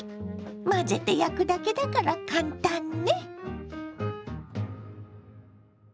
混ぜて焼くだけだから簡単ね。